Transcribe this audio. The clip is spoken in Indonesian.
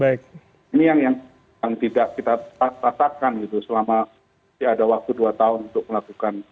ini yang tidak kita rasakan gitu selama ada waktu dua tahun untuk melakukan